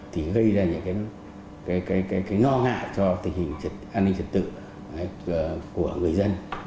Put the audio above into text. thì gây ra những cái ngò ngạ cho tình hình an ninh trật tự của người dân